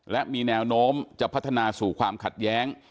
และมีแนวโน้มจะพัฒนาสู่ความขัดแย้ง